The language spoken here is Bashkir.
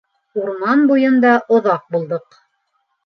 Урман буйында оҙаҡ булдыҡ.